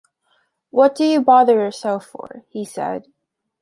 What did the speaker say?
“What do you bother yourself for?” he said.